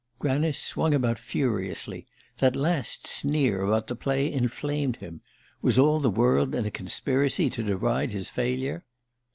Granice swung about furiously that last sneer about the play inflamed him. Was all the world in a conspiracy to deride his failure?